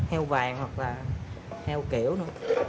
heo vàng hoặc là heo kiểu nữa